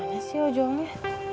mana sih ujungnya